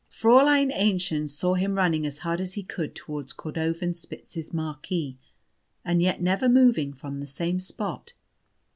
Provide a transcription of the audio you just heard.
Fräulein Aennchen saw him running as hard as he could towards Cordovanspitz's marquee, and yet never moving from the same spot.